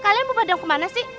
kalian mau padang kemana sih